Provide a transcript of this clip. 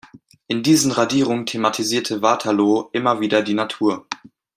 In diesen Radierungen thematisierte Waterloo immer wieder die Natur.